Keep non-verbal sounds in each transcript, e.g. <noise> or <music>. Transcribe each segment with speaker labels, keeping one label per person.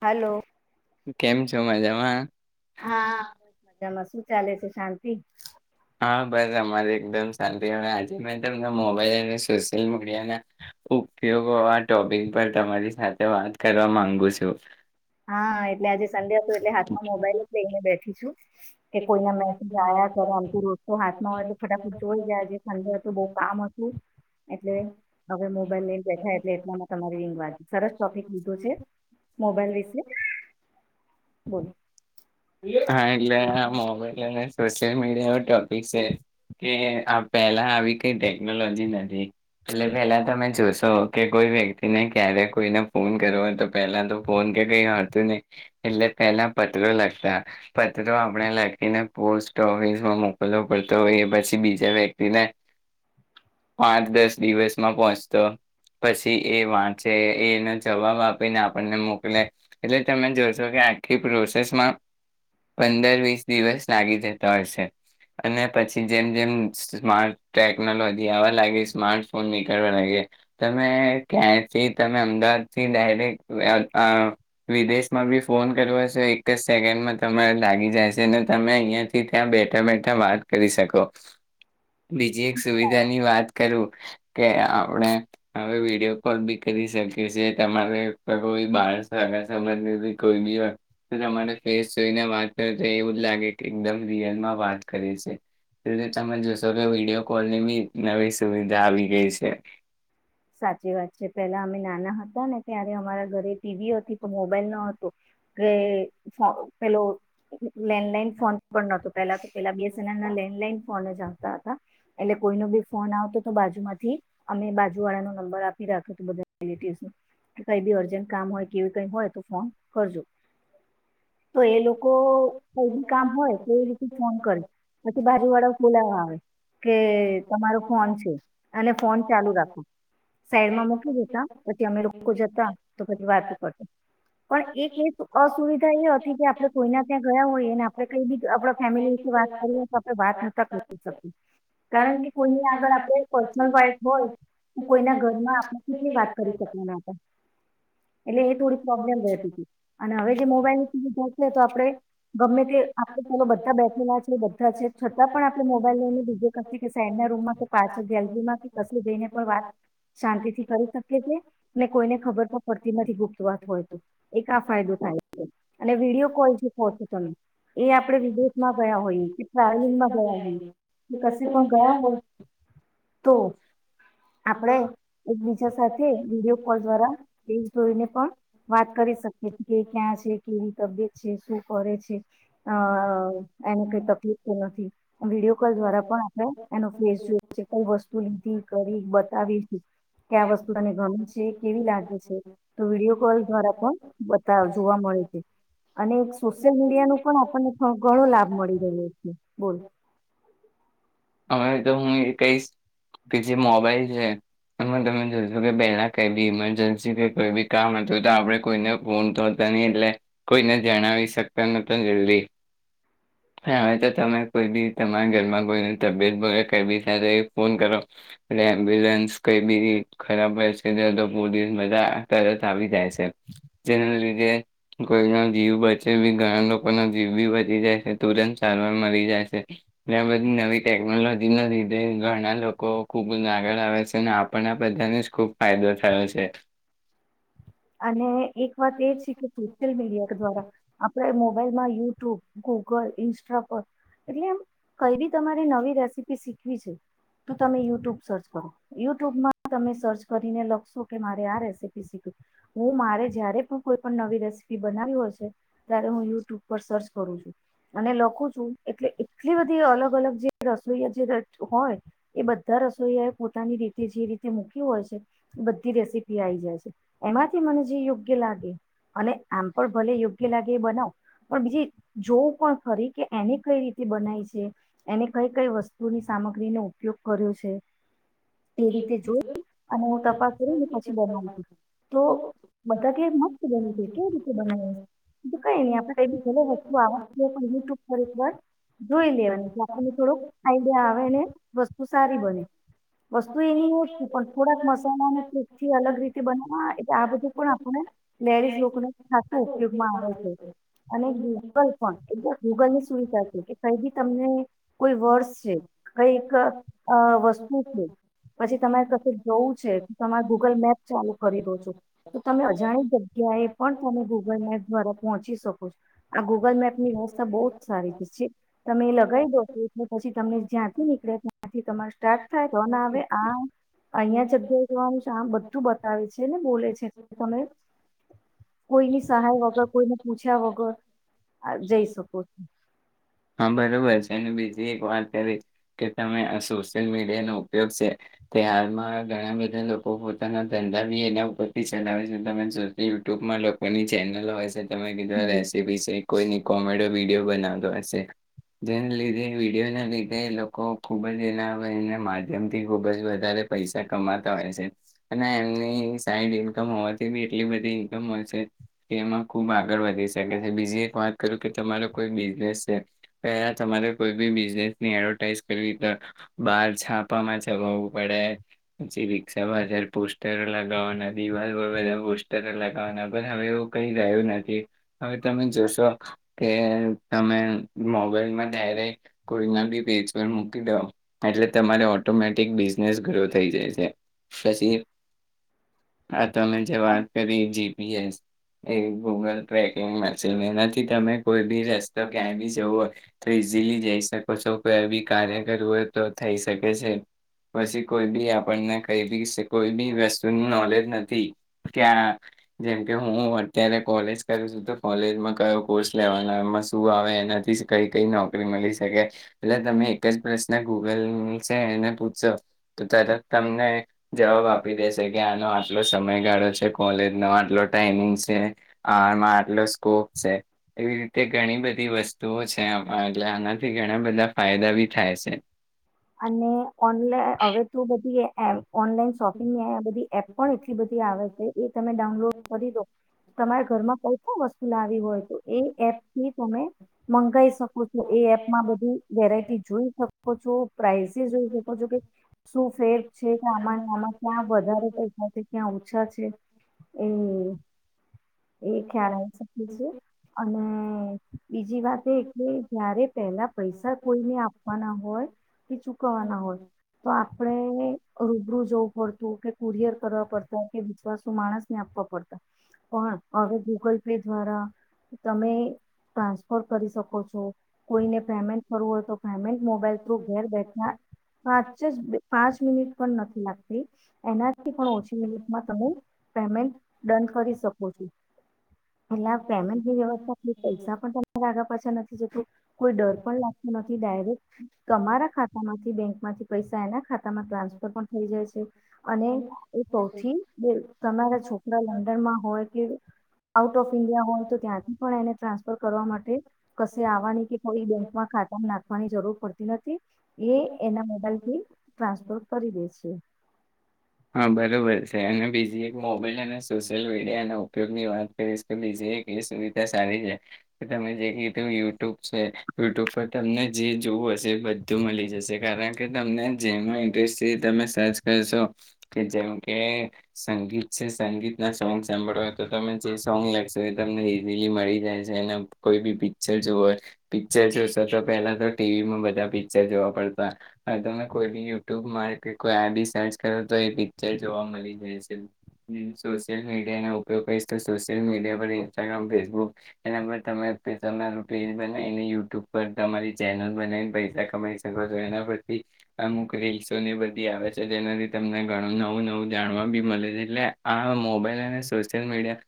Speaker 1: Hello
Speaker 2: કેમ છો મજામાં હા
Speaker 1: બસ મજામાં શું ચાલે છે શાંતિ
Speaker 2: હા બ રે હમારી એકદમ શાંતિ આજે ત મોબાઈલ અને સોશિયલ મીડિયા ના ઉપયોગો આ ટોપિક પર તમારી સાથે વાત કરવા માંગુ છું.
Speaker 1: હા એટલે આજે સંડે હતો એટલે હાથમાં મોબાઈલ જ લઈને બેઠી છું. કે કોઈના મેસેજ આવ્યા ત્યારે આમતો રોસ્તો હાથમાં હોય એટલે ફટાફટ જોઈ ગયા જે સન્ડે હતો બઉ કામ હતું એટલે હવે મોબાઈલ લઈને બેઠા એટલે એટલામાં તમારી રિંગ વાગી સરસ ટોપિક લીધો છે મોબાઈલ વિશ
Speaker 2: હા એટલે આ મોબાઈલ અને સોશિયલ મીડિયા ન ટોપિક છે કે આ પેલા આવી કઈ ટેકનોલોજી નથી એટલે પેલા તમે જોશો કે કોઈ વ્યક્તિને ક્યારે કોઈને ફોન કરવા તો પહેલા તો ફોન કે કઈ હોતું ની એટલે પહેલા પત્રો લખતા પત્ર પણે લખીને પોસ્ટ ઓફિસમાં મોકલવો પડતો એ પછી બીજા વ્યક્તિને પાંચ દસ દિવસમાં પહોચતો પછી એ વાંચે એનો જવાબ આપીને આપણને મોકલે એટલે તમે જોશો કે આખી પ્રોસેસમાં પંદર વીસ દિવસ લાગી જતા હશે અને પછી જેમ જેમ સ્માર્ટ ટેકનોલોજી આવા લાગી સ્માર્ટ ફોન નીકળવા લાગી તમે ક્યાંથી તમે અમદાવાદ થી ડાયરેક્ટ વિદેશમાં બી ફોન કર્યો હશે એક જ સેકન્ડમાં તમારે લાગી જાય. જેને તમે અહિયાંથી ત્યાં બેઠા બેઠા વાત કરી શકો બીજી એક સુવિધાની વાત કરું કે આપણે હવે વિડીયો કોલ બી કરી શકીએ તમારે કોઈ બાળ સગાસંબંધી કોઈ બી તમારે ફેસ જોઈને વાત એવું જ લાગે કે એકદમ રિયલમાં વાત કરે છે તમે જોશો કે વિડીયો કોલની બી નવી સુવિધા આવી ગઈ છે.
Speaker 1: સાચી વાત છે પેલા અમે નાના હતા ને ત્યારે અમારા ઘરે ટીવી હતી પણ મોબાઈલ ન હતો કે પેલો લેન્ડલાઈન ફોન પણ નતો પેલા તો પેલા બીએસનલ ના લેન્ડલાઈન ફોન જ આવતા હતા એટલે કોઈનો બી ફોન આવતો તો બાજુ માંથી અમે બા જુ વાળા નો નંબર આપી રાખો કઈ બી અર્જન્ટ કામ હોય કેવી કઈ હોય તો ફોન કરજો. તો એ લોકો કઈ બી કામ હોય તો એ રીતે ફોન કરે પછી બાજુ વાળા ખોલાવા આવે કે તમારો ફોન છે અને ફોન ચાલુ રાખો. સાઈડમાં મૂકી દેતા પછી અમે લોકો જતા તો પછી વાત કરતા પણ એક એ અસુવિધા ઓ કે તો આપડે કોઈના ત્યાં ગયા હોય ને આપડે કઈ બી આપડા ફેમિલી વિશે વાત કરી હોય તો આપડે વાત નતા કરી શકીએ કારણ કે કોઈને આગળ આપડે પર્સનલ વાઈફ હોય કોઈના ઘરમાં આપણે કે વાત કરી શકતા ન હતા એટલે એ થોડી પ્રોબ્લેમ રહેતી હતી અને હવે જે મોબાઈલ તો આપડે ગમે તે આપડે ચાલો બધા બેઠેલા છે બધા છે છતા પણ આપડે મોબાઈલ લઈને બીજે કથી કે સાઈડ ના રૂમમાં કોઈ પાછ ગેલરીમાં કે કશ જઈને પણ વાત શાંતિ થી કરી શકે છે ને કોઈને ખબર તો ફરતી ગુપ્ત વાત હોય તો એક આ ફાયદો થાય છે. અને વિડીયો કોલ જે કહો છો તમે એ આપે વિદેશમાં ગયા હોય કે ટ્રાવેલિંગમાં ગયા હોય કે કશી પણ ગયા હોય તો આપડે એકબીજા સાથે વિડીયો કોલ દ્વારા એ જોઈને પણ વાત કરી શકીએ કે ક્યાં છે કે તબિયત છે શું કરે છે અ એને કઈ તકલીફ તો નથી વિડીયો કોલ દ્વારા પણ આપડે એનો ફેસ જોય છે કઈ વસ્તુ લીધી કરી બ આવી જ તો વસ્તુ તને ગમે છે કેવી લાગે છે તો વિડીયો કોલ દ્વારા પણ બતા જોવા મળે. અને સોશિયલ મીડિયા નું પણ આપણને ઘણો લાભ મળી રહ્યો છે બોલ
Speaker 2: અમે તો હું એ કહીશ કે જે મોબાઈલ છે એમાં તમે જોશો કે પહેલા કઈ બી ઇમરજન્સી કે કોઈ બી કામ હતું તો આપણે કોઈને ફોન તોતા નહી એટલે કોઈ જણાવી શકતો નતો જલ્દી હવે તો તમે કોઈ બી તમારા ઘરમાં કોઈ તબિયત બી ફોન કરો એમ્બુલન્સઈ બી ખબ હો તોિવ બા તરત આવી જાય છે જેના લીધે કોઈનો જીવ બચે બી ઘણા લોકોનો જીવ બી બચી જાય છે તુરંત સારવાર મળરી જાય છે એ બધી નવી ટેકનોલોજી ના લીધે ઘણા લોકો ખૂબ જ આગળ આવે છે અને આપને બધાને જ ખૂબ ફાયદો થયો છે
Speaker 1: અને એક વાત એ શીખું મીડિયા દ્વારા આપે મોબાઈલમાં યુ તો ગૂગલ ઇન્સ્ટ્રા પર એટલે આમ કઈ બી તમારે નવી રેસીપી શીખવી છે તો તમે યુટ્યુબ સર્ચ કરો યુટ્યુબમાં તમે સર્ચ કરીને લખશો કે મારે આ રેસીપી શીખવી હું મારે જયારે પણ કોઈ પણ નવી રેસીપી બનાવી હોય છે ત્યારે હું યુટ્યુબ પર સર્ચ કરું છું અને લખું છું એટલે એટલી બધી અલગ અલગ જે રસોઈયા જે હોય એ બધા રસોઈયા એ પોતાની રીતે જે રીતે મૂક હોય છે બધી રેસીપી આ આવી જાય છે એમાંથી મને જે યોગ્ય લાગે અને આમ પણ ભલે યોગ્ય લાગે એ બનાવો પણ બીજી જોવું પણ ફરી કે એને કઈ રીતે બનાય છે એને કઈ કઈ વસ્તુની સામગ્રીનો ઉપયોગ કર્યો છે એ રીતે જોઈ અને હું તપાસ કરું ને પછી બનાવ છ તો બધા કે મસ્ત બને છે કેવી રીતે બનાવે કઈ નહી આપડે બી વસ્તુ આવે યુટ્યુબ પર એક વાર જોઈ લેવાની કે આપણને થોડુંક આઈડિયા આવે ને વસ્તુ સારી બને વસ્તુ એની હો જ છે પણ થોડાક મસાલાની ટપ થી અલગ રીતે બનાવવા એટલે આ બધું પણ આપણે લેડીઝ લોકોને ખતું ઉપયોગમાં આવે છે અને ગૂગલ પણ એકદ ગૂગલ ની સુવિધા છે કે કઈ બી તમને કોઈ વર્ડસ છે કઈક વસ્તુ પછી તમારે કશું જોવું છે તમારે ગુગલ મેપ ચાલુ કરી દો છો તો તમે અજાણી જગ્યાએ પણ તમે ગૂગલ મેપ દ્વારા પહોંચી શકો છો આ ગૂગલ મેપની વ્યવસ્થા બહુ જ સારી છે તમે એ લગાવી દો છો એટલે પછી તમને જ્યાંથી નીકળ્યા ત્યાંથી તમા સ્ટાક તો ના આવે આ અહિયાં જગ્યા જોમ શમ આવે છેને બોલે છે તમે કોઈની સહાય વગર કોઈને પૂછ્યા વગર જઈ શકો છો
Speaker 2: હા બરોબર છે અને બીજી એક વાત કરી કે તમે સોિલ મી ઉપયોગ છે હાલમાં ઘણા બધા લોકો પોતાના ધંધા બી એના ઉપરથી ચલાવે છે તમે જો યુટ્યુબમાં લોકોની ચેનલો હોય છે તમે કીધું
Speaker 1: છું
Speaker 2: રેસીપી છે કોઈ કોમેડ વિડીિયો બનાવતો હશે જેને લીધે વિડીયોના લીધે લોકો ખુબ જ એના થી ખુબ જ વધારે પૈસા કમાતા હોય છે અને એમની સાઈડ ઇન્કમ હોવાથી બી એટલી બધી ઈન્કમ હોય છે કે એમાં ખુબ આગળ વધી શકે છે બીજી એક વાત કરું કે તમારો કોઈ બિઝનેસ છે પહેલા તમારે કોઈ બી બિઝનેસ ની એડવર્ટાઈઝ કરવી બાર છાપામાં જવાાવવું પડે પછી રી્ષામાંારે પોસ્ટરો લગાવવાના દીવાલ બધા પોસ્ટરો લગાવવાના પણ હવે એવું કઈ રહ્યું નથી હવે તમે જોશો કે તમે મોબાઈલમાં ડાયરેક કોઈના બી પેજ પર મૂકી દો એટલે તમારે ઓટોમેટિક બિઝનેસ ગ્રો થઈ જાય છે પછી આ તમે જે વાત કરી જીપીએસ એ ગૂગલ ટ્રેકિંગમાં એનાથી તમે કોઈ બી રસ્તો ક્યાંય બી જવો હોય તો ઈઝીલી જઈ શકો છો કોઈ બી કાર્ય કરવું હોય તો થઈ શકે છે પછી કોઈ બી આપણને કઈ બી કોઈ બી વસ્તુનું નોલેજ નથી ક્યાં જેમકે હું અત્યારે કોલેજ કરું છું તો કોલેજમાં કયો કોર્સ લેવાનો એમાં શું આવે એનાથી કઈ કઈ નોકરી મળી શકે એટલે તમે એક જ પ્રશ્ન ગૂગલ છે એને પૂછો તો તરત તમને જવાબ આપી દેશે કે આનો આટલો સમયગાળો છે કોલેજનો આટલો ટાઈમિંગ છે આમાં આટલો સ્કોપ છે એવી રીતે ઘણી બધી વસ્તુઓ છે એટલે આનાથી ઘણા બધા ફાયદા બી થાય છે
Speaker 1: અને ઓનલાઈન હવે તો બધી <unintelligible> ઓનલાઈન શોપિંગની આ બધી એપ પણ એટલી બધી આવે છે એ તમે ડાઉનલોડ કરી ડો તમારે ઘરમાં કઈ ક વસ્તુ લા હોય તો એ એપ થી તમે મંગાવાઈ શકો છો એ એપમાં બધી વેરાયટી જોઈ શકો છો પ્રાઈઝસ જોઈ શકો છો કે શું ફેરફ છે આમા આમાં ક્યાં વધારે પૈસા છે ક્યાં ઓછા છે એ એ ખ્યાલ આવી શકે છે અને બીજી વાત એ કે જયારે પેલા પૈસા કોઈને આપવાના હોય. એ ચૂકવવાના હોય તો આપડે રૂબરૂ જોવું પડસે કે કુરિયર કરવા પડતા કે વિશ્વાસુ માણસને આપવા પડતા પણ હવે ગૂગલ પે દ્વારા તમે ટ્રાન્સફર કરી શકો છો કોઈને પેમેન્ટ કરરવું હોય તો પેમેન્ટ મોબાઈલ ઘર બેઠા પાંચ જ પાંચ મિનિટ પણ નથી લાગતી એનાથી પણ ઓછી મિનિટમાં તમે પેમેન્ટ ડન કરી શકો છો એટલે આ પેમેન્ટની વ્યવસ્થા પૈસા પણગ્યા પાછા નથી જત કોઈ ડર પણ લાગતો નથી ડાયરેક્ટ તમારા ખાતા માંથી બેંક માંથી પૈસા એના ખા તા માં ટ્રાન્ફર પણ થઈ જાય છે. અને એ સૌથી બે તમારા છોકરા લંડનમાં હોય કે આઉટ ઓફ ઈન્ડિયા હોય તો ત્યાંથી પણ એને ટ્રાન્સફર કરવા માટે કશે આવવાની કે ફરી બેંકમાં ખાતા નાખવાની જરૂર પડતી નથી એ એના મોબાઈલ થી ટ્રાન્સફર કરી દે છે.
Speaker 2: હા બરોબર છે અને બીજી એક મોબાઈલ અને સોશિયલ મીડિયાના ઉપયોગની વાત કરીશ તો બીજી એક એ સુવિધા સારી છે કે તમે જે કીધું યુટ્યુબ છે યુટ્યુબ પર તમને જે જોવું હશે એ બધું મળી જશે કારણ કે તમને જેમાં ઇન્ટરેસ્ટથી તમે સર્ચ કરશો. કે જેમ કે સંગીત છે સંગીતના સોંગ સાંભળો હોય તો તમે જે સોંગ લખશો એ તમને ઇઝીલી મળી જાય છે એને કોઈ બી પિક્ચર જોવ હોય પિક્ચર જોશો તો પહેલા તો ટીવીમાં બધા પિક્ચર જોવા પડતા હો હવે તમે કોઈ બી યુટ્યુબમાં કે કોઈ આ બી સર્ચ કરો તો એ પિક્ચર જોવા મળી જાય છે. સોશિયલ મીડિયાનો ઉપયોગ કરીહીશ તો સોશિયલ મીડિયા પર ઇન્સ્ટાગ્રામ ફેસબુક એના પર તમે તમારું રીલ બનાવીને યુટ્યુબ પર તમારી ચેનલ બનાવીને પૈસા કમાઈ શકો છો એના પરથી અમુક રીલ્સોને બધી આવે છે જેના લી ધે તમને ઘણું નવું નવું જાણવા બી મળે છે એટલે આ મોબાઈલ અને સોશિયલ મીડિયા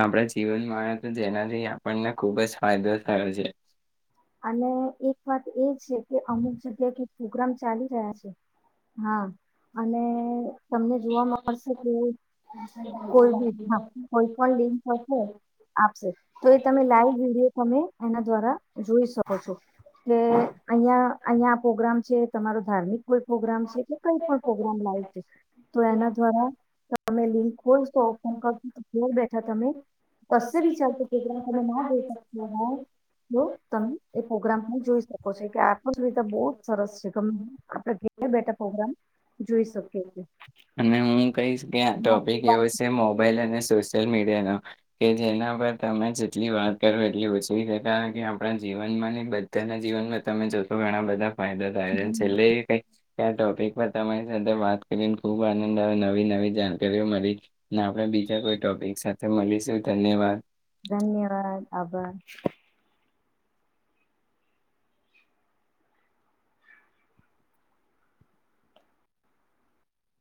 Speaker 2: આપણા જીવનમાં જેનાથી આપણને ખુબ જ ફાયદો થયો છે.
Speaker 1: અને એક વાત એ છે. કે અમુક જગ્યા કે પ્રોગ્રામ ચાલી રહ્યા છે. હા. અને તમને જોવા મળશે કે કોઈ કોઈ પણ લિંક હશે આપશે તો એ તમે લાઈવ વિડીયો તમે એના દ્વારા જોઈ શકો છો. કે અહીં અહીયા પોગ્રામ જે તમારો ધાર્મિક કોઈ પ્રોગ્રામ છે કે કઈ પણ પ્રોગ્રામ લાઈવ છે તો એના દ્વારા તમે લિંક ખોલશો તો <unintelligible> ઘર બેઠા તમે કસે બી ચાલતી પ્રગ્રામ તમે ના જોઈ શકશો હ તમે એ પ્રોગ્રામ પણ જોઈ શકો છો. કે આખ સુવિધા બહ જ સરસ છે આપે ઘ બેઠા પ્રગ્રામ જોઈ શકીછે.
Speaker 2: અને હું કહીશ કે ટોપિક એવો છે મોબાઈલ અને સોસ સશલ મીડિયા ન કે જેના પર તમે જેટલી વાત કરો એટલી ઓછી સે કારણ કે આપણા જીવનમાં ને બધાના જીવનમાં તમે જો ઘણા બધા ફાયદા થાયને છેલ્લે કઈ ક્યા ટોપિક બતા માય સાથે વાત કરી. ખૂબ આનંદ આવે નવી નવી જાણકારીઓ મળી ને આપણે બીજા કોઈ ટોપિક સાથે મળીશું. ધન્યવાદ.
Speaker 1: ધન્યવાદ. આભાર.